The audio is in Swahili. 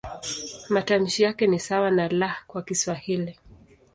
Matamshi yake ni sawa na "L" kwa Kiswahili.